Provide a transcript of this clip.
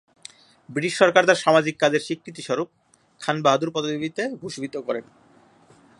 British সরকার তার সামাজিক কাজের স্বীকৃতিস্বরূপ খান বাহাদুর পদবীতে ভূষিত করে।